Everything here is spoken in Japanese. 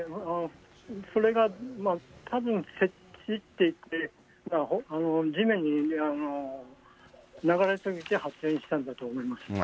それがたぶん接地っていって、地面に流れ過ぎて発煙したんだと思います。